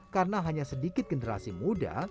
karena hanya sedikit generasi muda